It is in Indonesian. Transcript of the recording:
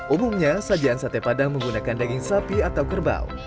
umumnya sajian sate padang menggunakan daging sapi atau kerbau